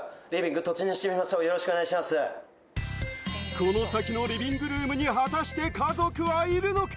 この先のリビングルームに果たして家族はいるのか？